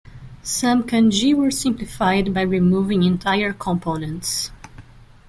Some kanji were simplified by removing entire components.